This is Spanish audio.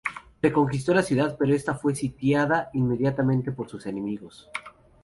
Reconquistó la ciudad, pero esta fue sitiada inmediatamente por sus enemigos.